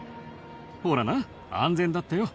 ほらな安全だってよ。